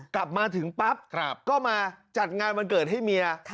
กลับมาถึงปั๊บก็มาจัดงานวันเกิดให้เมีย